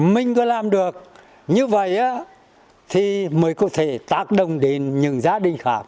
mình có làm được như vậy thì mới có thể tác động đến những gia đình khác